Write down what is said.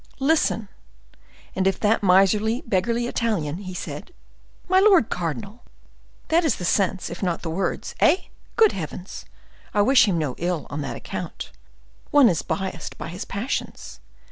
"Listen. 'And if that miserly, beggarly Italian,' said he—" "My lord cardinal!" "That is the sense, if not the words. Eh! Good heavens! I wish him no ill on that account; one is biased by his passions.